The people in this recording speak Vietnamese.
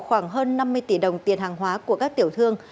khoảng hơn năm mươi tỷ đồng tiền hàng hóa của các tiểu thương